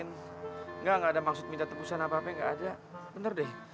berdua saja sama sama nih